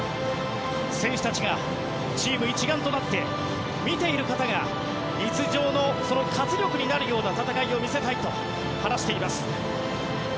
選手たちがチーム一丸となって見ている方が日常の活力になるような戦いを見せたいと話しています。